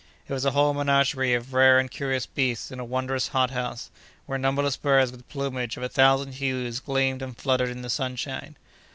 It was a whole menagerie of rare and curious beasts in a wondrous hot house, where numberless birds with plumage of a thousand hues gleamed and fluttered in the sunshine.